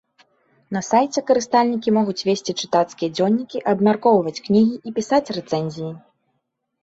На сайце карыстальнікі могуць весці чытацкія дзённікі, абмяркоўваць кнігі і пісаць рэцэнзіі.